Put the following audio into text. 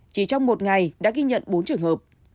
chỉ trong một ngày đã ghi nhận bốn trường hợp